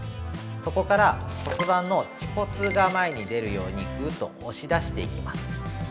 そこから骨盤の恥骨が前に出るように、ぐっと押し出していきます。